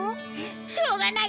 しょうがない！